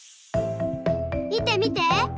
みてみて。